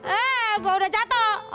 eh gua udah jatoh